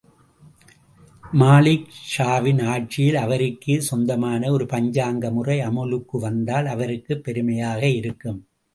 மாலிக் ஷாவின் ஆட்சியில் அவருக்கே சொந்தமான ஒரு பஞ்சாங்க முறை அமுலுக்கு வந்தால், அவருக்குப் பெருமையாக இருக்கும்.